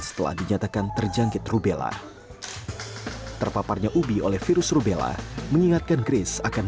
setelah dinyatakan terjangkit rubella terpaparnya ubi oleh virus rubella mengingatkan grace akan